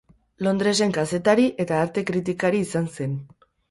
Londresen kazetari eta arte-kritikari izan zen.